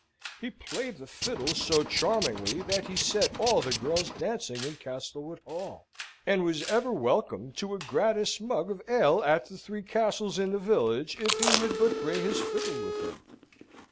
He played the fiddle so charmingly, that he set all the girls dancing in Castlewood Hall, and was ever welcome to a gratis mug of ale at the Three Castles in the village, if he would but bring his fiddle with him.